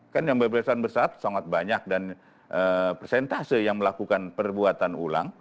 kan yang berbebasan bersarat sangat banyak dan persentase yang melakukan perbuatan ulang